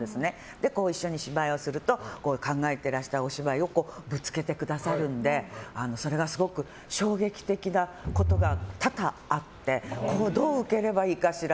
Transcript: で、一緒に芝居をすると考えてらした、お芝居をぶつけてくださるのですごく衝撃的なことが多々あってどう受ければいいかしら？